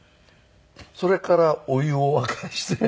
それからお湯を沸かして。